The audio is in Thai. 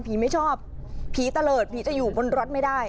ไม่ชอบผีตะเลิศผีจะอยู่บนรถไม่ได้